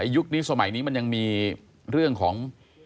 ยุคนี้สมัยนี้มันยังมีเรื่องของ